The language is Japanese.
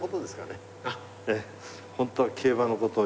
本当は競馬の事を。